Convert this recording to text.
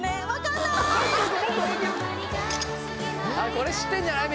これ知ってんじゃない？